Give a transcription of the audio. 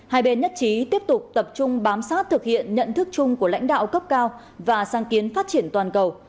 hai bên nhất trí tiếp tục tập trung bám sát thực hiện nhận thức chung của lãnh đạo cấp cao và sáng kiến phát triển toàn cầu